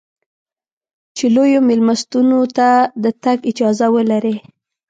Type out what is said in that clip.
چې لویو مېلمستونو ته د تګ اجازه ولرې.